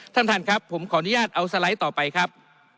ท่านท่านครับผมขออนุญาตเอาสไลด์ต่อไปครับ